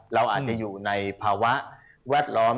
เราอาจจะอยู่ในภาวะแวดล้อม